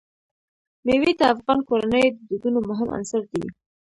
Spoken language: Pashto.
مېوې د افغان کورنیو د دودونو مهم عنصر دی.